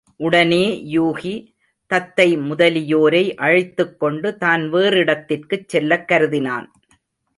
உடனே யூகி, தத்தை முதலியோரை அழைத்துக்கொண்டு தான் வேறிடத்திற்குச் செல்லக் கருதினான்.